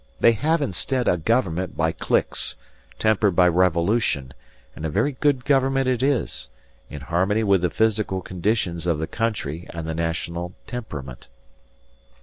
They have instead a government by cliques, tempered by revolution; and a very good government it is, in harmony with the physical conditions of the country and the national temperament.